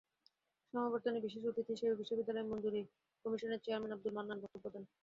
সমাবর্তনে বিশেষ অতিথি হিসেবে বিশ্ববিদ্যালয় মঞ্জুরি কমিশনের চেয়ারম্যান আবদুল মান্নান বক্তব্য দেন।